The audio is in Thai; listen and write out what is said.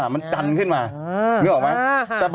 มันดันขึ้นมานึกออกไหม